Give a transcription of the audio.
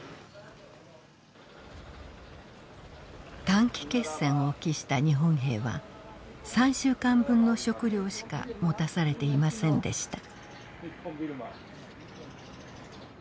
短期決戦を期した日本兵は３週間分の食糧しか持たされていませんでした。